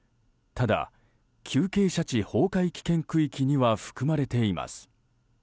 ただ、急傾斜地崩壊危険区域には含まれています。